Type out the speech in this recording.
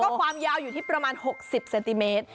ความยาวอยู่ที่ประมาณ๖๐เซนติเมตร